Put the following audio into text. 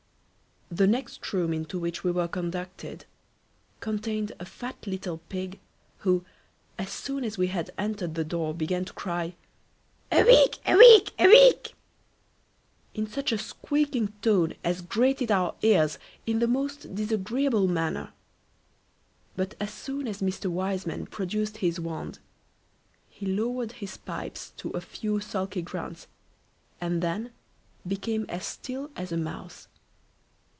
The next room into which we were conducted, contained a fat little pig, who, as soon as we had entered the door, began to cry a week, a week, a week, in such a squeaking tone as grated our ears in the most disagreeable manner: but as soon as Mr. Wiseman produced his wand, he lowered his pipes to a few sulky grunts, and then became as still as a mouse.